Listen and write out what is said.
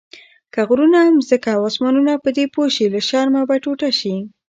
که غرونه، ځمکه او اسمانونه پدې پوه شي له شرمه به ټوټه شي.